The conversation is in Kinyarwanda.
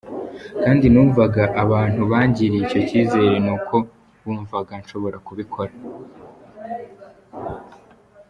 Kandi numva abantu bangiriye icyo cyizere ni uko bumvaga nshobora kubikora.